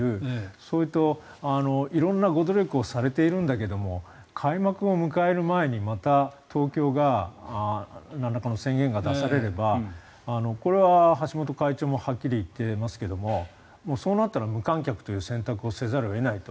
それと、色んなご努力をされているんだけど開幕を迎える前にまた東京がなんらかの宣言が出されればこれは橋本会長もはっきり言っていますけれどもそうなったら無観客という選択をせざるを得ないと。